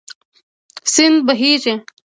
سیند بهېږي.